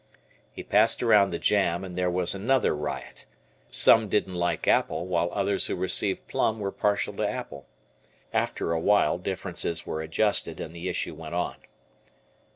He passed around the jam, and there was another riot. Some didn't like apple, while others who received plum were partial to apple. After awhile differences were adjusted, and the issue went on.